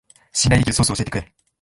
信頼できるソースを教えてくれ